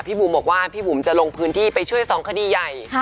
บุ๋มบอกว่าพี่บุ๋มจะลงพื้นที่ไปช่วย๒คดีใหญ่